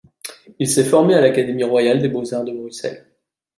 Il s'est formé à l'Académie royale des beaux-arts de Bruxelles.